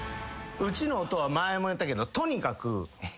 うちのお父は前も言ったけどとにかく。